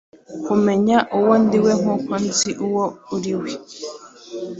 Kumenya uwo ndiwe, nkuko nzi uwo uriwe